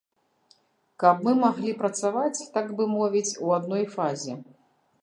Каб мы маглі працаваць, так бы мовіць, у адной фазе.